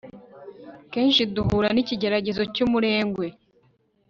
kenshi duhura n'ikigeragezo cy'umurengwe